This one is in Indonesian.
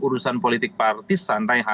urusan politik partis